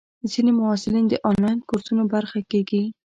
ځینې محصلین د انلاین کورسونو برخه کېږي.